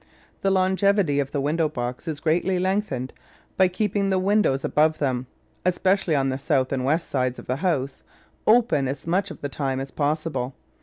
The longevity of the window box is greatly lengthened by keeping the windows above them — especially on the south and west sides of the house— open as much of the time as possible.